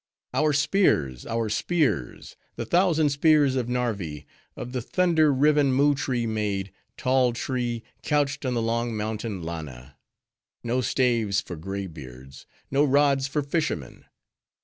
Our spears! our spears! The thousand spears of Narvi! Of the thunder riven Moo tree made Tall tree, couched on the long mountain Lana! No staves for gray beards! no rods for fishermen!